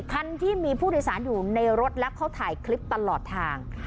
คันที่มีผู้โดยสารอยู่ในรถแล้วเขาถ่ายคลิปตลอดทาง